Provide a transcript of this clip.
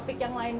terima kasih pak